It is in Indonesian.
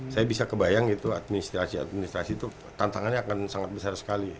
saya bisa kebayang gitu administrasi administrasi itu tantangannya akan sangat besar sekali